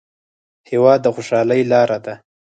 هېواد د خوشحالۍ لار ده.